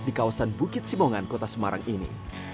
di kawasan bukit simongan kota semarang ini